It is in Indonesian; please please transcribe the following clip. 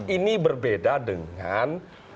ini berbeda dengan